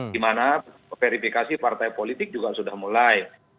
di mana verifikasi partai politik juga sudah mulai